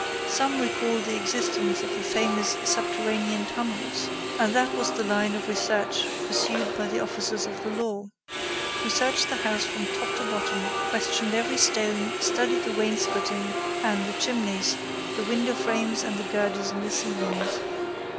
Some recalled the existence of the famous subterranean tunnels, and that was the line of research pursued by the officers of the law, who searched the house from top to bottom, questioned every stone, studied the wainscoting and the chimneys, the window frames and the girders in the ceilings.